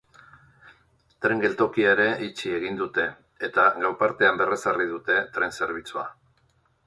Tren-geltokia ere itxi egin dute eta gau partean berrezarri dute tren zerbitzua.